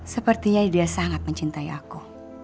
sepertinya dia sangat mencintai aku